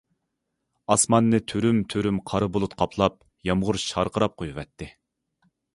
ئاسماننى تۈرۈم- تۈرۈم قارا بۇلۇت قاپلاپ يامغۇر شارقىراپ قويۇۋەتتى.